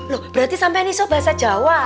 loh berarti sampai niso bahasa jawa